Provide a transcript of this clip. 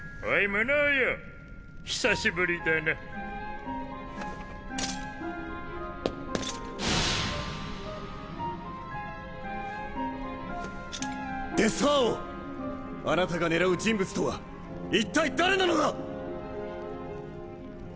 あなたが狙う人物とはいったい誰なのだ！